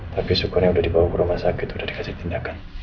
tapi syukurnya sudah dibawa ke rumah sakit sudah dikasih tindakan